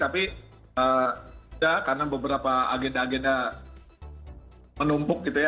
tapi tidak karena beberapa agenda agenda menumpuk gitu ya